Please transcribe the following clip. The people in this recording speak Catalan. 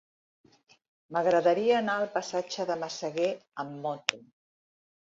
M'agradaria anar al passatge de Massaguer amb moto.